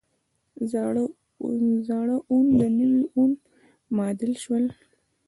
زاړه وون د نوي وون معادل شول.